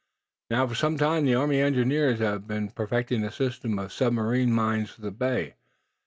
Now, for some time the Army engineer officers have been perfecting a system of submarine mines for the bay.